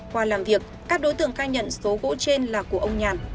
qua làm việc các đối tượng khai nhận số gỗ trên là của ông nhàn